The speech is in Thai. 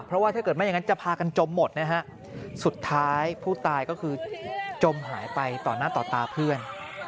เพราะว่าถ้าเกิดไม่อย่างนั้นจะพากันจมหมดนะฮะสุดท้ายผู้ตายก็คือจมหายไปต่อหน้าต่อตาเพื่อน